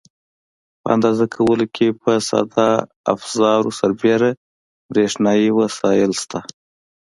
په اندازه کولو کې پر ساده افزارو سربېره برېښنایي وسایل شته.